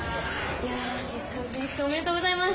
決勝進出おめでとうございます。